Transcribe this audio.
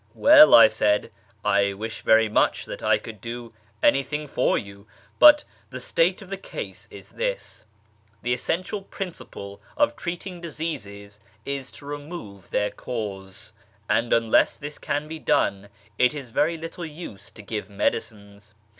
" Well," I said, " I wish very much that I could do any thing for you, but the state of the case is this : the essential principle of treating diseases is to remove their cause, and unless this can be done it is very little use to give medicines.